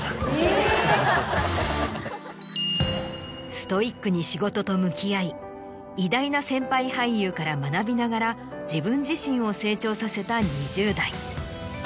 ストイックに仕事と向き合い偉大な先輩俳優から学びながら自分自身を成長させた２０代。